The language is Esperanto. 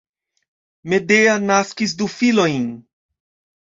Medea naskis du filojn.